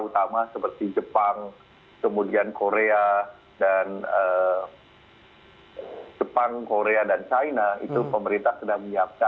utama seperti jepang kemudian korea dan jepang korea dan china itu pemerintah sedang menyiapkan